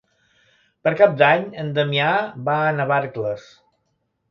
Per Cap d'Any en Damià va a Navarcles.